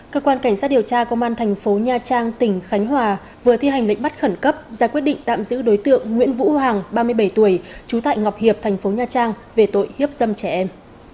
cơ quan cảnh sát điều tra công an thành phố nha trang tỉnh khánh hòa vừa thi hành lệnh bắt khẩn cấp ra quyết định tạm giữ đối tượng nguyễn vũ hoàng ba mươi bảy tuổi trú tại ngọc hiệp thành phố nha trang về tội hiếp dâm trẻ em